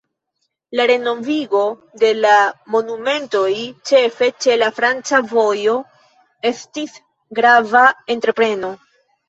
La renovigo de la monumentoj, ĉefe ĉe la franca vojo, estis grava entrepreno.